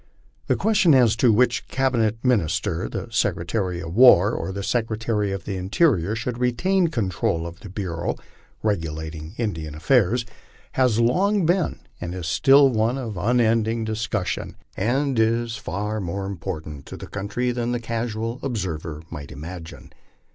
The question as to which cabinet minister, the Secretary of War or the Secretary of the Interior, should retain control of the bureau regulating In dian affairs, has long been and still is one of unending discussion, and is of far more importance to the country than the casual observer might imagine.